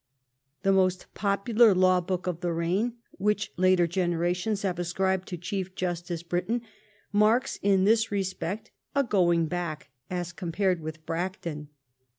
The most popular law book of the reign — which later generations have ascribed to Chief Justice Britton — marks in this respect a going back as compared with Bracton.